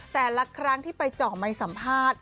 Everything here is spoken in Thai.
แต่ละครั้งที่ไปเจาะไมค์สัมภาษณ์